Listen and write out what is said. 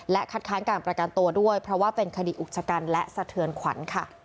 คัดค้านการประกันตัวด้วยเพราะว่าเป็นคดีอุกชะกันและสะเทือนขวัญค่ะ